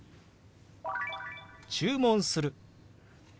「注文する」。